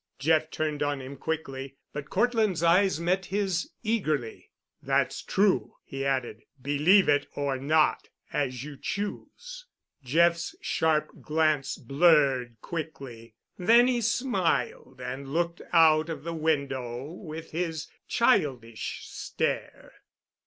Jeff turned on him quickly, but Cortland's eyes met his eagerly. "That's true," he added. "Believe it or not, as you choose." Jeff's sharp glance blurred quickly. Then he smiled and looked out of the window with his childish stare.